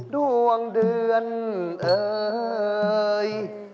ดวงเดือนเอ่ย